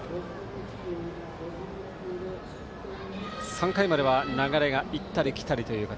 ３回までは流れが行ったり来たりという形。